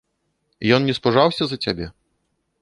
Ён не спужаўся за цябе?